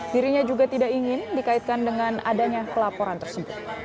dirinya juga tidak ingin dikaitkan dengan adanya pelaporan tersebut